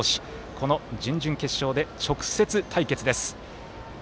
この準々決勝で直接対決です。